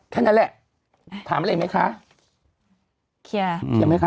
แค่นั้นแหละถามอะไรไหมคะเคลียร์ไหมคะ